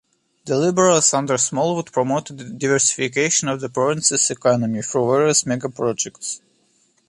The Liberals under Smallwood promoted the diversification of the province's economy through various megaprojects.